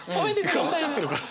変わっちゃってるからさ。